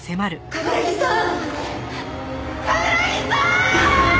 冠城さん！！